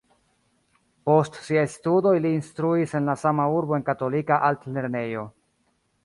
Post siaj studoj li instruis en la sama urbo en katolika altlernejo.